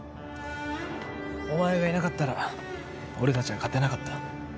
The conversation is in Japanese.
お前がいなかったら俺たちは勝てなかった。